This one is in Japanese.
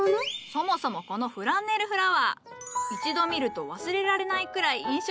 そもそもこのフランネルフラワー一度見ると忘れられないくらい印象的で美しい。